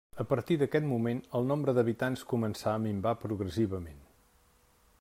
A partir d'aquell moment el nombre d'habitants començà a minvar progressivament.